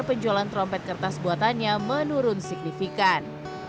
penjualan trompet kertas buatannya menurun signifikan